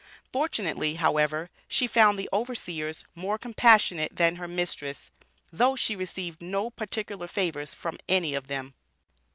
Fortunately, however, she found the overseers more compassionate than her mistress, though she received no particular favors from any of them.